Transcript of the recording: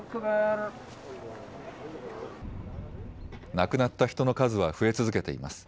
亡くなった人の数は増え続けています。